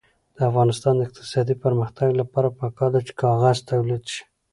د افغانستان د اقتصادي پرمختګ لپاره پکار ده چې کاغذ تولید شي.